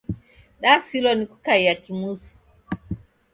Dasilwa ni kukaia kimusi